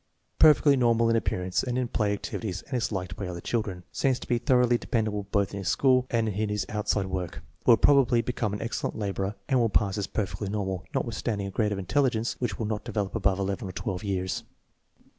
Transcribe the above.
Perfectly normal in appear ance and in play activities and is liked by other children. Seems to be thoroughly dependable both in school and in his outside work. Will probably become an excellent laborer and will pass as perfectly normal, notwithstanding a grade of intelligence which will not develop above 11 or 12 years.